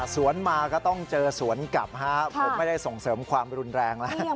สวนมาก็ต้องเจอสวนกลับครับผมไม่ได้ส่งเสริมความรุนแรงแล้ว